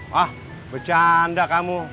wah bercanda kamu